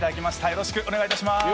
よろしくお願いします。